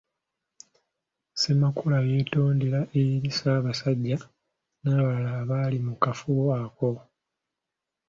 Ssemakalu yeetonda eri Ssabasajja n’abalala abaali mu kafubo ako.